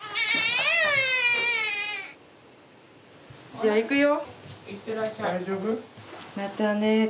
じゃあ行くよ。